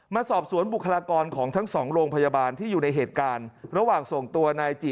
มาสอบสวนบุคลากรของทั้งสองโรงพยาบาลที่อยู่ในเหตุการณ์ระหว่างส่งตัวนายจิ